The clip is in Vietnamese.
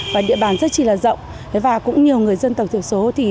và địa bàn rất chỉ là rộng và cũng nhiều người dân tộc thiểu số